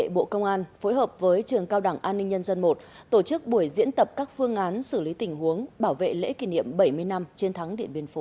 bộ công an phối hợp với trường cao đảng an ninh nhân dân i tổ chức buổi diễn tập các phương án xử lý tình huống bảo vệ lễ kỷ niệm bảy mươi năm chiến thắng điện biên phủ